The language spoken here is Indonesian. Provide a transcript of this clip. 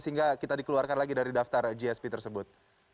sehingga kita dikeluarkan lagi dari daftar gsp tersebut